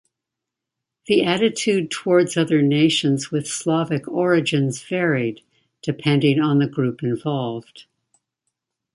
The attitude towards other nations with Slavic origins varied, depending on the group involved.